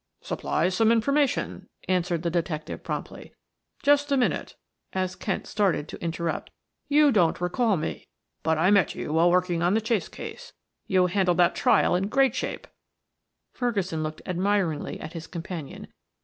"Supply some information," answered the detective promptly. "Just a minute," as Kent started to interrupt. "You don't recall me, but I met you while working on the Chase case; you handled that trial in great shape," Ferguson looked admiringly at his companion.